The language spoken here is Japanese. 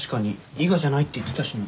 伊賀じゃないって言ってたしな。